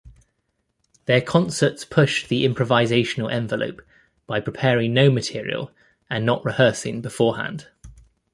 Their concerts pushed the improvisational envelope by preparing no material and not rehearsing beforehand.